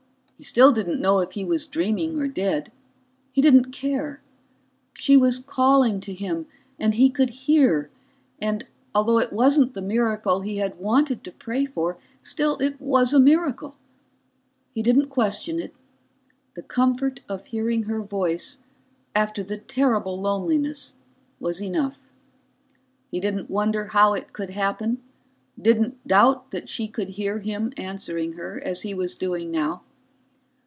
He still didn't know if he was dreaming or dead. He didn't care. She was calling to him and he could hear, and although it wasn't the miracle he had wanted to pray for, still it was a miracle. He didn't question it; the comfort of hearing her voice after the terrible loneliness was enough. He didn't wonder how it could happen, didn't doubt that she could hear him answering her, as he was doing now.